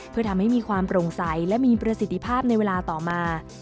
เพื่อทำให้มีความโปร่งใสและมีประสิทธิภาพในเวลาต่อมา